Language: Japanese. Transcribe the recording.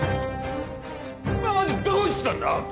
今までどこ行ってたんだ！